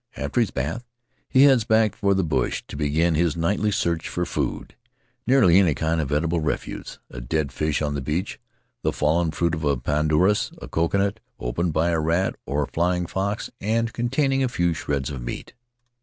After his bath he heads back for the bush to begin his nightly search for food — nearly any kind of edible refuse — a dead fish on the beach, the fallen fruit of a pandanus, a coconut, opened by rat or flying fox, and containing a few shreds of meat.